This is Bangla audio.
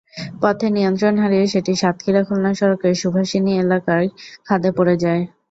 পথে নিয়ন্ত্রণ হারিয়ে সেটি সাতক্ষীরা-খুলনা সড়কের শুভাষিণী এলাকায় খাদে পড়ে যায়।